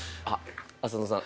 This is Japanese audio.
浅野さん